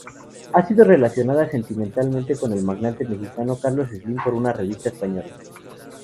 Ha sido relacionada sentimentalmente con el magnate mexicano Carlos Slim por una revista española.